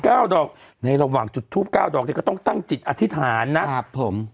เก้าดอกในระหว่างจุดทูปเก้าดอกเนี่ยก็ต้องตั้งจิตอธิษฐานนะครับผม